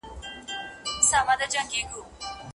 ستونزي د ژوند لپاره مهمي دي.